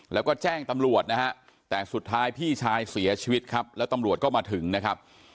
แล้วก็แจ้งตำรวจนะฮะแต่สุดท้ายพี่ชายเสียชีวิตครับแล้วตำรวจก็มาถึงนะครับ